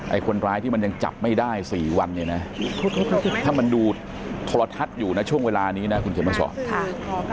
คนร้ายที่มันยังจับไม่ได้สี่วันเนี่ยนะถ้ามันดูโทรทัศน์อยู่นะช่วงเวลานี้นะคุณเขียนมาสอนค่ะ